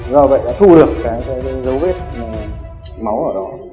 do vậy đã thu được cái dấu vết máu ở đó